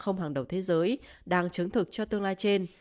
không hàng đầu thế giới đang chứng thực cho tương lai trên